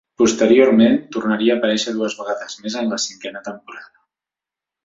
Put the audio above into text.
Posteriorment, tornaria a aparèixer dues vegades més en la cinquena temporada.